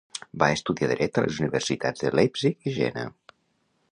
Va estudiar dret a les universitats de Leipzig i Jena.